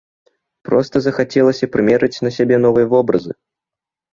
Проста захацелася прымерыць на сябе новыя вобразы.